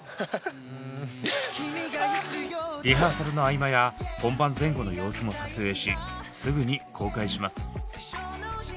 リハーサルの合間や本番前後の様子も撮影しすぐに公開します。